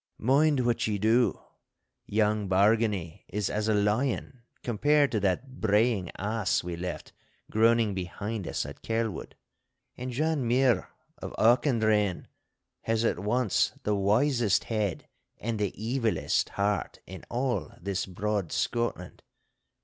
'Mind what ye do. Young Bargany is as a lion compared to that braying ass we left groaning behind us at Kelwood; and John Muir of Auchendrayne has at once the wisest head and the evilest heart in all this broad Scotland.